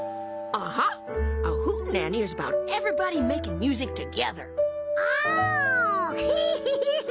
アヘヘヘヘ。